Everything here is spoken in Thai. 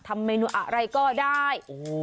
หรืออะไรก็ได้